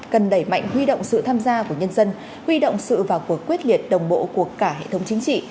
cần đẩy mạnh huy động sự tham gia của nhân dân huy động sự vào cuộc quyết liệt đồng bộ của cả hệ thống chính trị